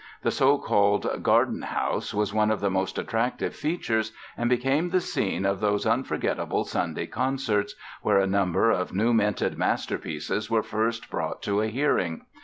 The so called "Garden House" was one of its most attractive features and became the scene of those unforgettable Sunday concerts where a number of new minted masterpieces were first brought to a hearing.